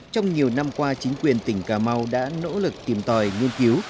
trong nhiều năm qua chính quyền tỉnh cà mau đã nỗ lực tìm tòi nghiên cứu